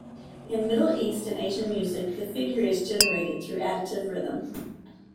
In Middle East and Asian music the figure is generated through additive rhythm.